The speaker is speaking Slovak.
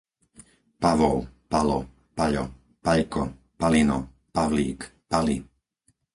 Pavol, Palo, Paľo, Paľko, Palino, Pavlík, Pali